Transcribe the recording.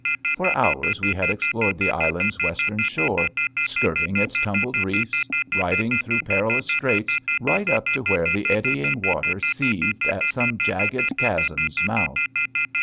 For hours we had explored the island's western shore, skirting its tumbled reefs, riding through perilous straits right up to where the eddying water seethed at some jagged chasm's mouth.